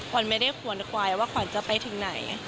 ขวัญไม่ได้ขวนควายว่าขวัญจะไปถึงไหน